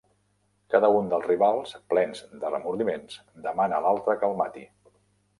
Cada un dels rivals, plens de remordiments, demana a l'altre que el mati.